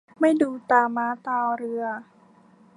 ไม่ดูตาม้าตาเรือ